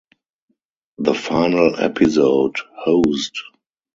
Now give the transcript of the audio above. The final episode, Hosed!